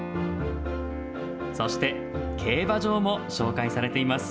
そして競馬場も紹介されています。